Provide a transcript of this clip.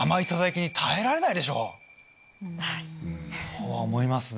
僕は思いますね。